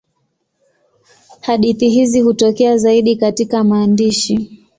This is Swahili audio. Hadithi hizi hutokea zaidi katika maandishi.